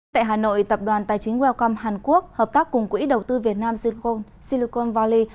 tại hà nội tập đoàn tài chính wellcom hàn quốc hợp tác cùng quỹ đầu tư việt nam sincon silicon valley